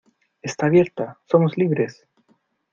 ¡ Está abierta! ¡ somos libres !